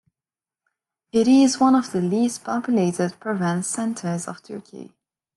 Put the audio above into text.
It is one of the least populated province centers of Turkey.